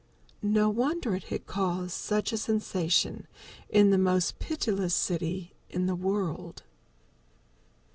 No wonder it had caused such a sensation in the most pitiless city in the world.